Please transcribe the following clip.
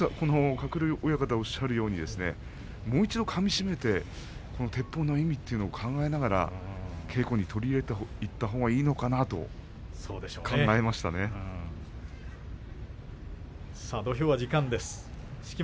鶴竜親方がおっしゃるようにもう一度かみしめててっぽうの意味というのを考えながら、稽古に取り入れていったほうがいいのかなと土俵は時間です。